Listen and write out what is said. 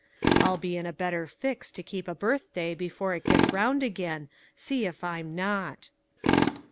I'll be in a better fix to keep a birthday before it gets around again, see if I'm not